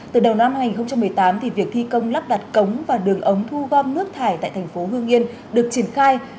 từ đầu năm hai nghìn một mươi tám việc thi công lắp đặt cống và đường ống thu gom nước thải tại thành phố hương yên được triển khai